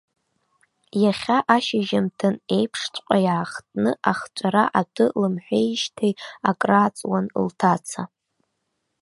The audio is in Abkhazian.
Иахьа ашьжьымҭан еиԥшҵәҟьа иаахтны ахҵәара атәы лымҳәеижьҭеи акрааҵуан лҭаца.